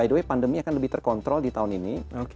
dan by the way pandemi akan lebih terkontrol di tahun ini oke